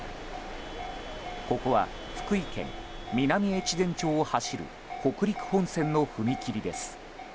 ここは福井県南越前町を走る北陸本線の踏切です。